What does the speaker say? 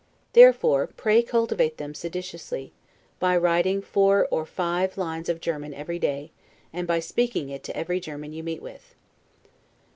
Therefore, pray cultivate them sedulously, by writing four or five lines of German every day, and by speaking it to every German you meet with.